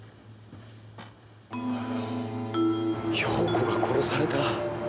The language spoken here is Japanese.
陽子が殺された？